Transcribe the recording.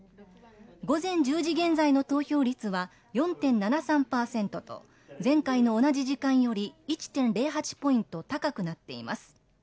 午前１０時現在の投票率は４．７３％と前回の同じ時間より１．０８ポイント高くなっています。